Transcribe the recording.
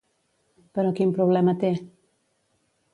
Però quin problema té?